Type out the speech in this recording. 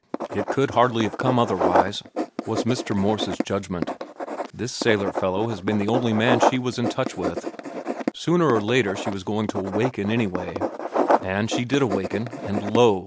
"It could hardly have come otherwise," was Mr. Morse's judgment. "This sailor fellow has been the only man she was in touch with. Sooner or later she was going to awaken anyway; and she did awaken, and lo!